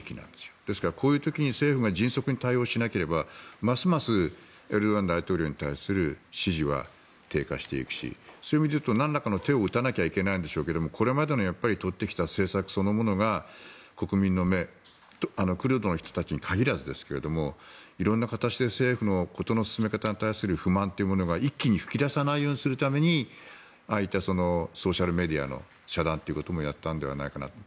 ですから、こういう時に政府が迅速に対応しなければますますエルドアン大統領に対する支持は低下していくしそういう意味で言うとなんらかの手を打たないといけないんでしょうけどこれまで取ってきた政策そのものが国民の目クルドの人たちに限らずですが色んな形で政府の事の進め方に対する不満が一気に噴き出さないようにするためにああいったソーシャルメディアの遮断ということもやったんではないかなと。